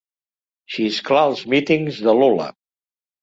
Xisclar als mítings de Lula.